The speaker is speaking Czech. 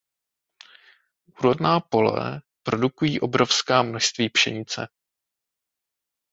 Úrodná pole produkují obrovská množství pšenice.